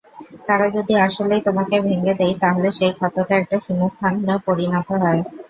তারা যদি আসলেই তোমাকে ভেঙে দেয়, তাহলে সেই ক্ষতটা একটা শূন্যস্থানে পরিণত হয়।